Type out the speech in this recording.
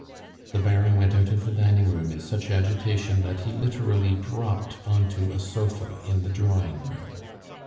The Baron went out of the dining room in such agitation that he literally dropped on to a sofa in the drawing room.